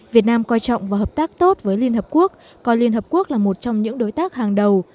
việt nam coi trọng và hợp tác tốt với liên hợp quốc coi liên hợp quốc là một trong những đối tác hàng đầu